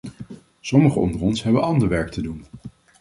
Sommigen onder ons hebben ander werk te doen.